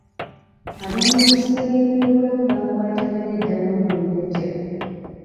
Aba minisitule y’ebyobuwangwa baakwataganye dda n’omumbejja.